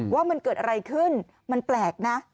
ว่ามันเกิดอะไรขึ้นมันแปลกนะ